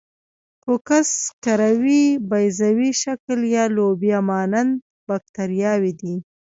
کوکس کروي، بیضوي شکل یا لوبیا مانند باکتریاوې دي.